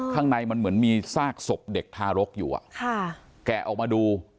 ข้างในมันเหมือนมีซากศพเด็กทารกอยู่อ่ะค่ะแกะออกมาดู